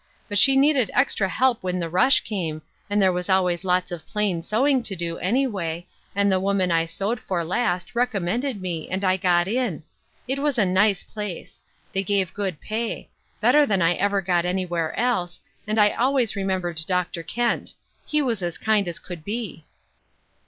But she need ed extra help when the rush came, and there was always lots of plain sewing to do, anyway, and the woman I sewed for last recommended me, and I got in. It was a nice place. They gave good pay ; better than I ever got anywhere else, and I always remembered Dr. Kent; he was as kind as he could be."